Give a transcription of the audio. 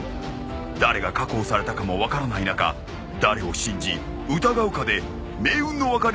誰が確保されたかも分からない中誰を信じ疑うかで命運の分かれる